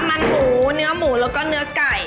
มันหมูเนื้อหมูแล้วก็เนื้อไก่